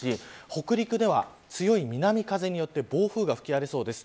北陸では強い南風によって暴風が吹き荒れそうです。